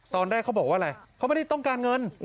ตอนแรกเขาบอกว่าอะไรเขาไม่ได้ต้องการเงิน